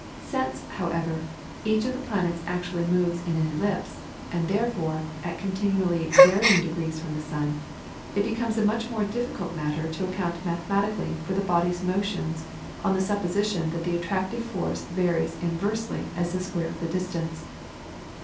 Since, however, each of the planets actually moves in an ellipse, and therefore, at continually varying distances from the sun, it becomes a much more difficult matter to account mathematically for the body's motions on the supposition that the attractive force varies inversely as the square of the distance.